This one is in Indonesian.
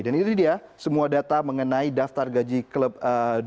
dan ini dia semua data mengenai daftar gaji klub dunia tertinggi sepanjang dua ribu tujuh belas